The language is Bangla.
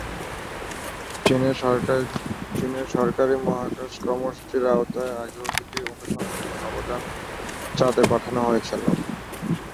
চীনের সরকারি মহাকাশ কর্মসূচির আওতায় আগেও দুটি অনুসন্ধানী নভোযান চাঁদে পাঠানো হয়েছিল।